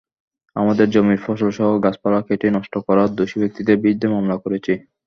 আমাদের জমির ফসলসহ গাছপালা কেটে নষ্ট করায় দোষী ব্যক্তিদের বিরুদ্ধে মামলা করেছি।